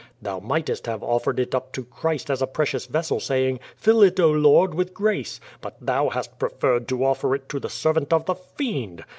Thou migh test* have offered it up to Christ as a precious vessel, saying: *Fill it, oh. Lord! with grace,' but thou hast preferred to offer it to the servant of the fiend.